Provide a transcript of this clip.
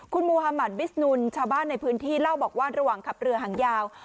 คุณมุฮามัติบิสนุนชาวบ้านในพื้นที่เล่าบอกว่าระหว่างขับเรือหางยาว